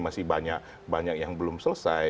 masih banyak banyak yang belum selesai